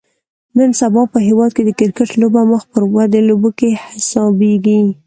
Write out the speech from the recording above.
نن سبا په هیواد کې د کرکټ لوبه مخ پر ودې لوبو کې حسابیږي